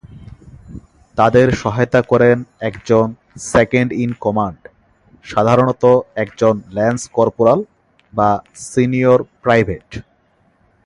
তাদের সহায়তা করেন একজন সেকেন্ড-ইন-কমান্ড, সাধারণত একজন ল্যান্স কর্পোরাল বা সিনিয়র প্রাইভেট।